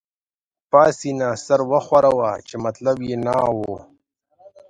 پاسیني سر وښوراوه، چې مطلب يې نه وو.